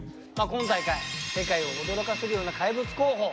今大会世界を驚かせるような怪物候補。